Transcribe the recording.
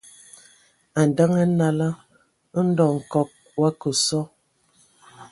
A ndǝŋə hm nala, ndɔ Nkɔg o akǝ sɔ,